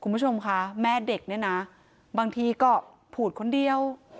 คุณผู้ชมคะแม่เด็กเนี่ยนะบางทีก็พูดคนเดียว